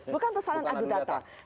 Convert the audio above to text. bukan persoalan adu data